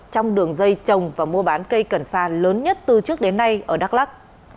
trong đường dây trồng và mua bán cây cần sa lớn nhất từ trước đến nay ở đắk lắc